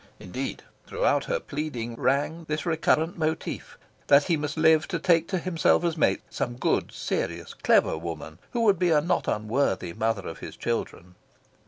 Indeed, throughout her pleading rang this recurrent motif: that he must live to take to himself as mate some good, serious, clever woman who would be a not unworthy mother of his children.